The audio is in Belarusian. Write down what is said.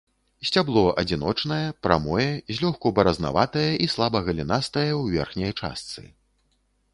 Сцябло адзіночнае, прамое, злёгку баразнаватае і слаба галінастае ў верхняй частцы.